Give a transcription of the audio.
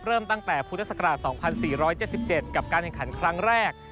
เริ่มตั้งแต่พุทธศักราช๒๔๗๗กับการแข่งขันครั้งแรก